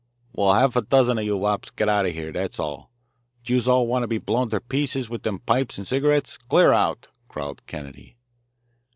"Well, half a dozen o' you wops get out o' here, that's all. D'youse all wanter be blown ter pieces wid dem pipes and cigarettes? Clear out," growled Kennedy.